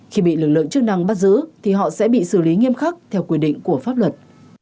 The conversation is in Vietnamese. khi bị lực lượng chức năng bắt giữ thì họ sẽ bị xử lý nghiêm khắc theo quy định của pháp luật